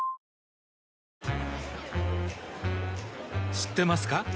知ってますか？